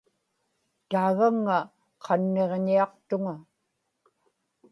taagaŋŋa qanniġñiaqtuŋa